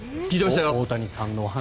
大谷さんのお話。